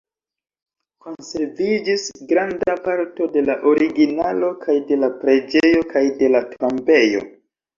Konserviĝis granda parto de la originalo kaj de la preĝejo kaj de la tombejo.